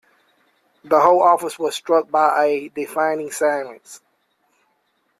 The whole office was struck by a deafening silence.